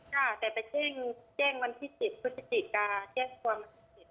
ค่ะแต่ไปแจ้งวันที่๑๐พฤศจิกาแจ้งความวันที่๑๐